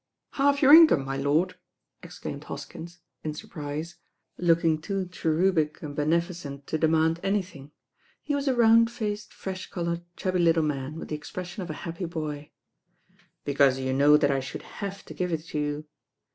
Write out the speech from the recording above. "Half your income, my lord I" exclaimed Hoskins, in surprise, looking too cherubic and beneficent to demand anything. He was a round faced, fresh coloured, chubby little man, with the expression of a happy boy. "Because you know that I should have to give it to you.